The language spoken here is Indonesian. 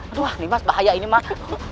aduh gimas bahaya ini mak